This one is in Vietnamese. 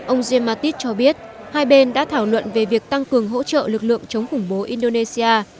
ông jim mattis cho biết hai bên đã thảo luận về việc tăng cường hỗ trợ lực lượng chống khủng bố indonesia